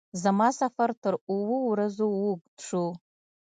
زما سفر تر اوو ورځو اوږد شو.